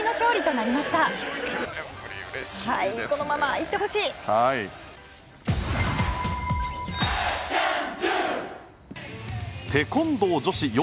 このままいってほしい！